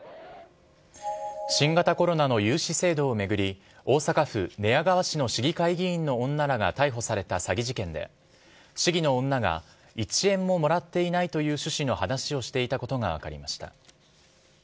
新型コロナの融資制度を巡り、大阪府寝屋川市の市議会議員の女らが逮捕された詐欺事件で、市議の女が、１円ももらっていないという趣旨の話をしていたことが分かりました。